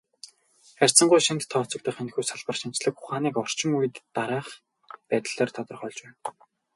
Харьцангуй шинэд тооцогдох энэхүү салбар шинжлэх ухааныг орчин үед дараах байдлаар тодорхойлж байна.